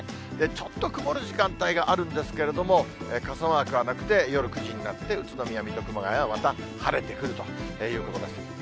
ちょっと曇る時間帯があるんですけれども、傘マークはなくて、夜９時になって、宇都宮、水戸、熊谷は、また晴れてくるということです。